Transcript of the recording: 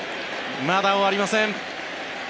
まだ終わりません。